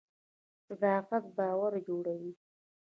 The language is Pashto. صداقت باور جوړوي